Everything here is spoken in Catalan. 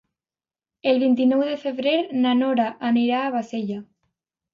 El vint-i-nou de febrer na Nora anirà a Bassella.